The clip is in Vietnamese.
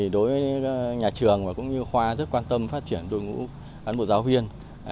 đối với nhà trường và khoa rất quan tâm phát triển đội ngũ bản bộ giáo viên